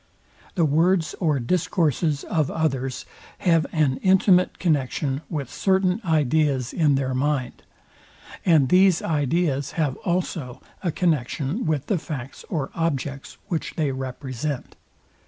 The words or discourses of others have an intimate connexion with certain ideas in their mind; and these ideas have also a connexion with the facts or objects, which they represent.